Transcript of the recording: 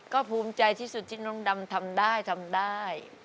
ก็ภูมิใจที่สุดที่น้องดำทำได้ทำได้